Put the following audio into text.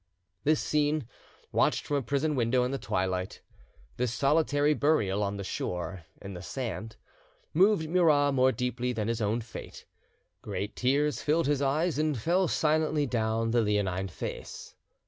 This scene, watched from a prison window in the twilight, this solitary burial on the shore, in the sand, moved Murat more deeply than his own fate. Great tears filled his eyes and fell silently down the leonine face.